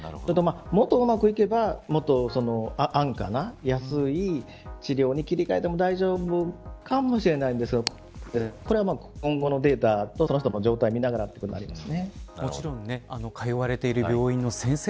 もっとうまくいけばもっと安い治療に切り替えても大丈夫かもしれないですがこれは今後のデータとその人の状態を見ながらということになります。